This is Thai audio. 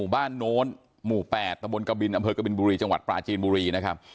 โน้นหมู่๘ตะบนกบินอำเภอกบินบุรีจังหวัดปลาจีนบุรีนะครับ